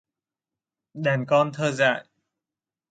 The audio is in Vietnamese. Đàn con thơ dại